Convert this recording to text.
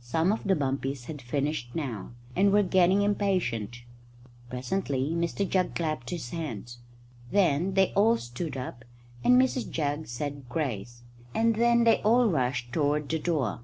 Some of the bumpies had finished now, and were getting impatient. Presently Mr Jugg clapped his hands. Then they all stood up, and Mrs Jugg said grace, and then they all rushed toward the door.